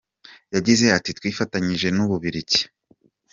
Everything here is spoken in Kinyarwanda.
Yagize ati “ Twifatanyije n’u Bubiligi.